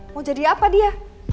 mau jadi apa dia